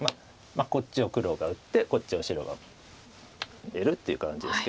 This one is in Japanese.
こっちを黒が打ってこっちを白が得るっていう感じですけど。